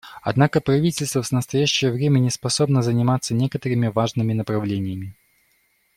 Однако правительство в настоящее время не способно заниматься некоторыми важными направлениями.